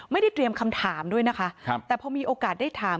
ไม่ได้เตรียมคำถามด้วยนะคะครับแต่พอมีโอกาสได้ถาม